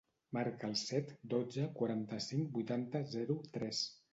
Marca el set, dotze, quaranta-cinc, vuitanta, zero, tres.